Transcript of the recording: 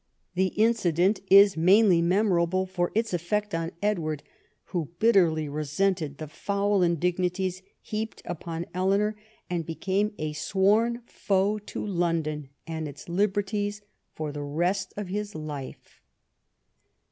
The incident is mainly memor able for its effect on Edward, who bitterly resented the foul indignities heaped upon Eleanor, and became a sworn foe to London and its liberties for the rest of his life.